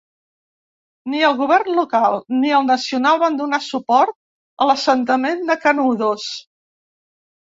Ni el govern local ni el nacional van donar suport a l'assentament de Canudos.